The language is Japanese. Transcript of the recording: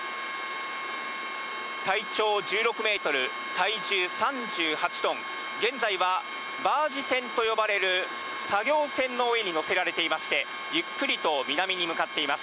体長１６メートル、体重３８トン、現在はバージ船と呼ばれる作業船の上に乗せられていまして、ゆっくりと南に向かっています。